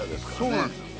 そうなんですよ。